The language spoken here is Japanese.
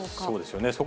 そうですよね。